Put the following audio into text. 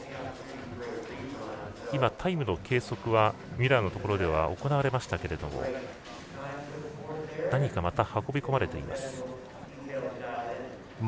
タイムの計測はミュラーのところで行われましたけど何かまた運び込まれています。